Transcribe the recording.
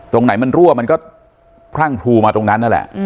ตรงไหนมันรั่วมันก็พรั่งพลูมาตรงนั้นนั่นแหละ